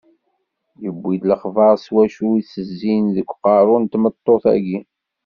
Yewwi-d lexbar s wacu i itezzin deg uqerru n tmeṭṭut-agi.